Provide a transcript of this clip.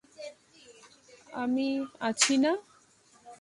আমি আছি না।